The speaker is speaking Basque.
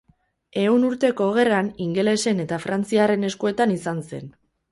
Ehun Urteko Gerran ingelesen eta frantziarren eskuetan izan zen.